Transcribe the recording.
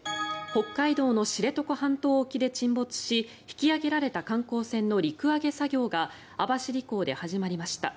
北海道の知床半島沖で沈没し引き揚げられた観光船の陸揚げ作業が網走港で始まりました。